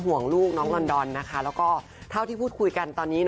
ห่วงลูกน้องลอนดอนนะคะแล้วก็